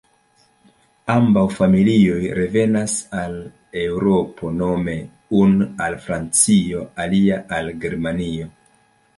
Ambaŭ familio revenas al Eŭropo nome unu al Francio, alia al Germanio.